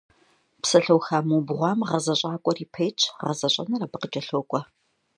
Псалъэуха мыубгъуам гъэзэщӏакӏуэр япэ итщ, гъэзэщӏэныр абы къыкӏэлъокӏуэ.